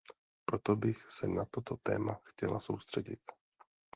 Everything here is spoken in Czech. Proto bych se na toto téma chtěla soustředit.